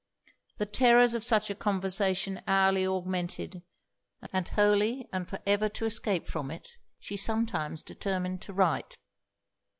The terrors of such a conversation hourly augmented; and wholly and for ever to escape from it, she sometimes determined to write.